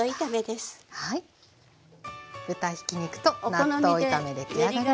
豚ひき肉と納豆炒め出来上がりです。